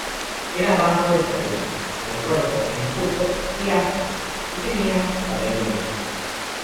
Era bajo de estatura, de cuerpo enjuto y ágil, y tenía cabello negro.